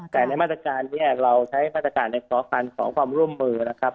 แต่ในมาตรการนี้เราใช้มาตรการในขอพันธ์ขอความร่วมมือนะครับ